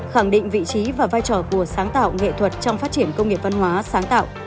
khẳng định vị trí và vai trò của sáng tạo nghệ thuật trong phát triển công nghiệp văn hóa sáng tạo